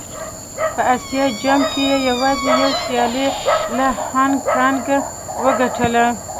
په اسيا جام کې يې يوازې يوه سيالي له هانګ کانګ وګټله.